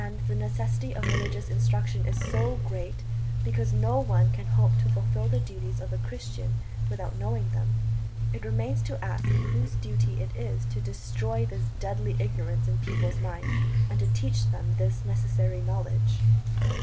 . the necessity of religious instruction is so great, because no one can hope to fulfil the duties of a Christian without knowing them, it remains to ask whose duty it is to destroy this deadly ignorance in people's minds and to teach them this necessary knowledge."